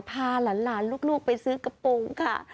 พาหลานลูกไปซื้อกระโปรงค่ะ